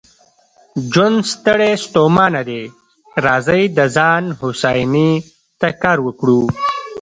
ژوند ستړی ستومانه دی، راځئ د ځان هوساینې ته کار وکړو.